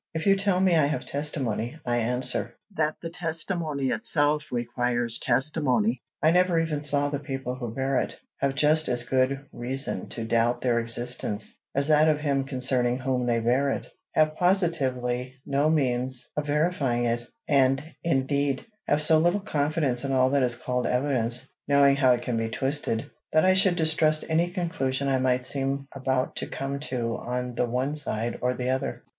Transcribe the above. If you tell me I have testimony, I answer, that the testimony itself requires testimony. I never even saw the people who bear it; have just as good reason to doubt their existence, as that of him concerning whom they bear it; have positively no means of verifying it, and indeed, have so little confidence in all that is called evidence, knowing how it can be twisted, that I should distrust any conclusion I might seem about to come to on the one side or the other.